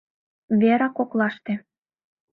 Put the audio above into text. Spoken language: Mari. ВЕРА КОКЛАШТЕ